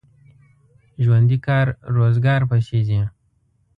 ژوندي کار روزګار پسې ګرځي